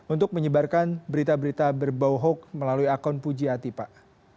untuk menyebarkan berita berita berbohong melalui akun pujiati pak